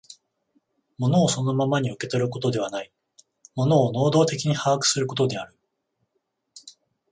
物をそのままに受け取ることではない、物を能働的に把握することである。